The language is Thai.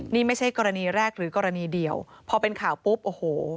นี่ไม่ใช่กรณีแรกหรือกรณีเดียวพอเป็นข่าวปุ๊บโอ้โห